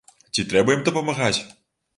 Ці трэба ім дапамагаць?